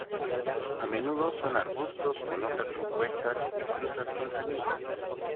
A menudo son arbustos con hojas compuestas y frutas con semillas.